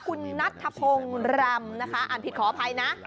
คุณนัทธพงศ์รำนะคะอ่านผิดขออภัยนะ